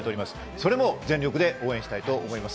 それも全力で応援したいと思います。